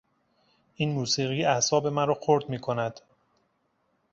این موسیقی اعصاب مرا خرد میکند.